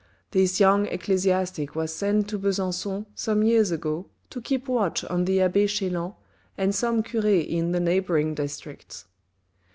This young ecclesiastic was sent to Besancon some years ago to keep watch on the abbe Chelan and some cures in the neighbouring districts.